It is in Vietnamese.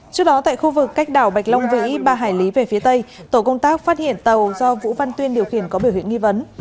trước đó tại khu vực cách đảo bạch long vĩ ba hải lý về phía tây tổ công tác phát hiện tàu do vũ văn tuyên điều khiển có biểu hiện nghi vấn